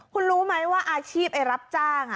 คุณรู้ไหมว่าอาชีพรับจ้าง